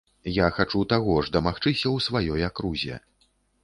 Я хачу таго ж дамагчыся ў сваёй акрузе.